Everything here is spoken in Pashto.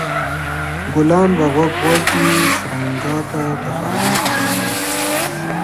ګلان به غوږ غوږ وي شرنګا ته د خاموشو بنګړو